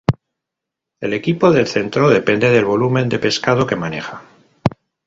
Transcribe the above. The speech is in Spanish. El equipo del Centro depende del volumen de pescado que maneja.